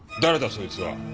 そいつは。